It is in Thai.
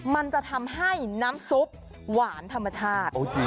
มันจะทำให้น้ำซุปหวานธรรมชาติ